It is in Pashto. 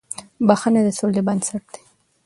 • بښنه د سولې بنسټ دی.